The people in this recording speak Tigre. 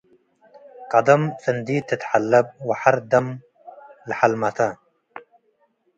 ቀደም ጽንዲድ ትትሐለብ ወሐር ደም ለሐልመተ